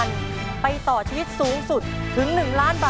ขอบคุณครับ